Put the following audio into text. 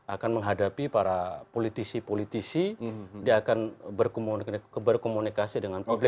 akan menghadapi para politisi politisi dia akan berkomunikasi dengan publik